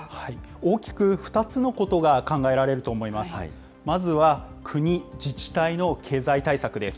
大きく２つのことが考えられると思います。